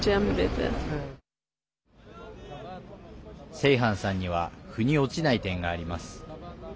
セイハンさんにはふに落ちない点があります。